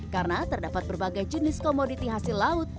karena terdapat berbagai jenis komoditi hasil laut